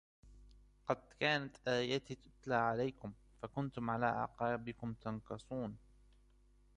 قَدْ كَانَتْ آيَاتِي تُتْلَى عَلَيْكُمْ فَكُنْتُمْ عَلَى أَعْقَابِكُمْ تَنْكِصُونَ